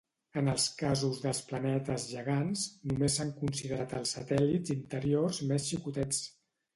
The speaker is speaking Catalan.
En els casos dels planetes gegants, només s'han considerat els satèl·lits interiors més xicotets.